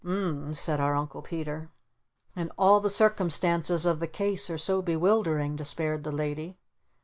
"U m m," said our Uncle Peter. "And all the circumstances of the case are so bewildering," despaired the lady.